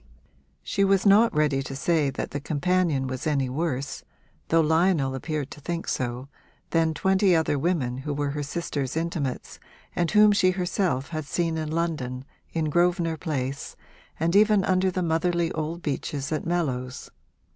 She was not ready to say that the companion was any worse, though Lionel appeared to think so, than twenty other women who were her sister's intimates and whom she herself had seen in London, in Grosvenor Place, and even under the motherly old beeches at Mellows.